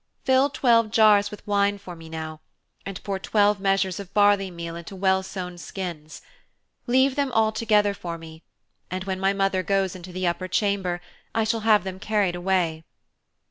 Fill twelve jars with wine for me now, and pour twelve measures of barley meal into well sewn skins. Leave them all together for me, and when my mother goes into the upper chamber, I shall have them carried away.